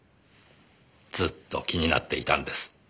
ずっと気になっていたんです。